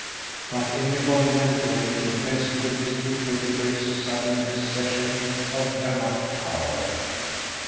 But everybody went away impressed with Mr. Petifer's sudden accession of dramatic power.